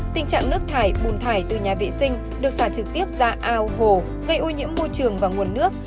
tình trạng nước thải bùn thải từ nhà vệ sinh được xả trực tiếp ra ao hồ gây ô nhiễm môi trường và nguồn nước